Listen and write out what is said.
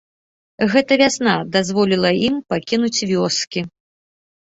Гэта вясна дазволіла ім пакінуць вёскі.